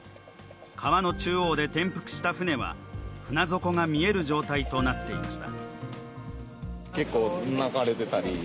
川の中央で転覆した舟は船底が見える状態となっていました。